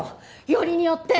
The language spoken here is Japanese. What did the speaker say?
よりによって。